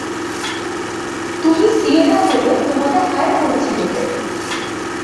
তুমি সিয়েরা হলে, তোমাকে হায়ার করেছিল কে?